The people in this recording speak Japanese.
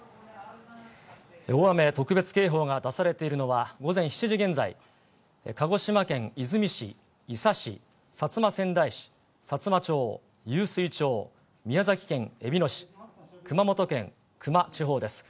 大雨特別警報が出されているのは、午前７時現在、鹿児島県出水市、伊佐市、薩摩川内市、さつま町、湧水町、宮崎県えびの市、熊本県球磨地方です。